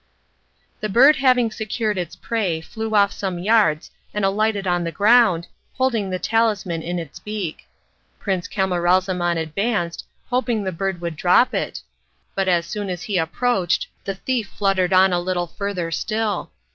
The bird having secured its prey flew off some yards and alighted on the ground, holding the talisman it its beak. Prince Camaralzaman advanced, hoping the bird would drop it, but as soon as he approached the thief fluttered on a little further still.